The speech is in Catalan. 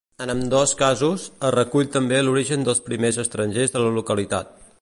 En ambdós casos, es recull també l'origen dels primers estrangers de la localitat.